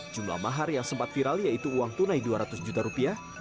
jumlah mahar yang sempat viral yaitu uang tunai dua ratus juta rupiah